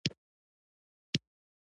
د تورخم لاره بنده ښه ده.